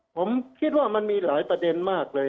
ผมคิดว่ามันมีหลายประเด็นมากเลย